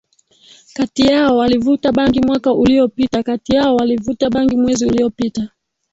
kati yao walivuta bangi mwaka uliopita kati yao walivuta bangi mwezi uliopita